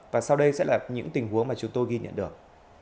và sau đây sẽ là những tình huống mà chúng tôi ghi nhận được